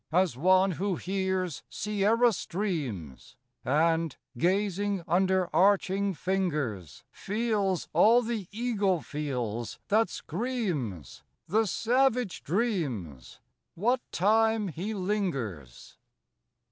As one who hears Sierra streams, And, gazing under arching fingers, Feels all the eagle feels that screams, The savage dreams, what time he lingers?